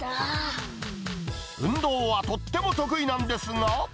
運動はとっても得意なんですが。